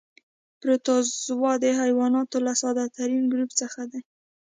پروتوزوا د حیواناتو له ساده ترین ګروپ څخه دي.